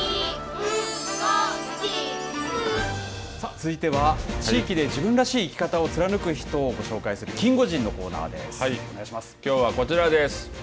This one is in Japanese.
続いては地域で自分らしい生き方を貫く人をご紹介するきょうはこちらです。